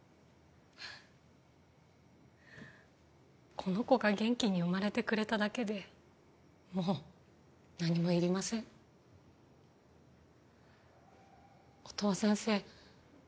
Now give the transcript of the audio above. この子が元気に生まれてくれただけでもう何もいりません音羽先生